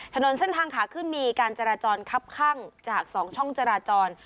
ถนนเส้นทางขาขึ้นมีการจราจรคับข้างจาก๒ช่องจราจร